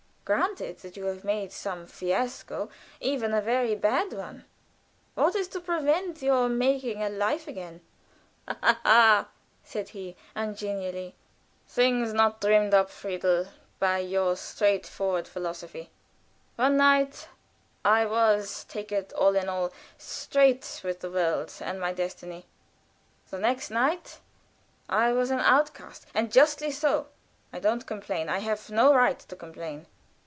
Granted that you have made some fiasco even a very bad one what is to prevent your making a life again?" "Ha, ha!" said he, ungenially. "Things not dreamed of, Friedel, by your straightforward philosophy. One night I was, take it all in all, straight with the world and my destiny; the next night I was an outcast, and justly so. I don't complain. I have no right to complain."